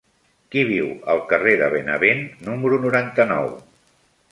Qui viu al carrer de Benavent número noranta-nou?